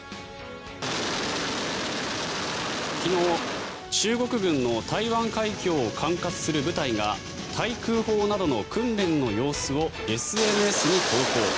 昨日、中国軍の台湾海峡を管轄する部隊が対空砲などの訓練の様子をＳＮＳに投稿。